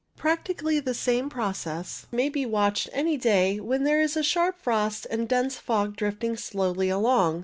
Practically the same process may be watched any day when there is a sharp frost and dense fog drifting slowly along.